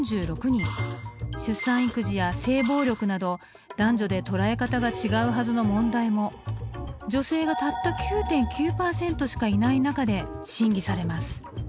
出産育児や性暴力など男女で捉え方が違うはずの問題も女性がたった９．９パーセントしかいないなかで審議されます。